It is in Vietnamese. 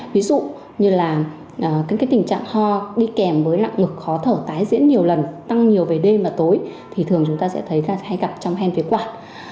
ví dụ như là cái tình trạng ho đi kèm với lặng ngực khó thở tái diễn nhiều lần tăng nhiều về đêm và tối thì thường chúng ta sẽ thấy hay gặp trong hen việt quạt